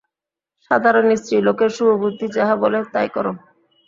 সাধারণ স্ত্রীলোকের শুভবুদ্ধি যাহা বলে, তাই করো।